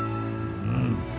うん。